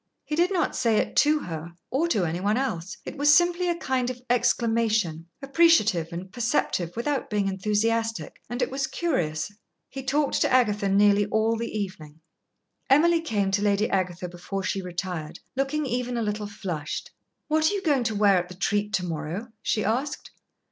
He did not say it to her or to any one else. It was simply a kind of exclamation, appreciative and perceptive without being enthusiastic, and it was curious. He talked to Agatha nearly all the evening. Emily came to Lady Agatha before she retired, looking even a little flushed. "What are you going to wear at the treat to morrow?" she asked.